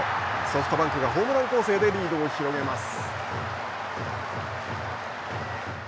ソフトバンクがホームラン攻勢でリードを広げます。